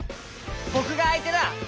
ぼくがあいてだ！